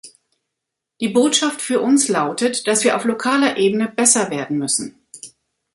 Die Botschaft für uns lautet, dass wir auf lokaler Ebene besser werden müssen.